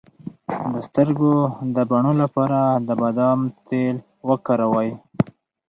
د سترګو د بڼو لپاره د بادام تېل وکاروئ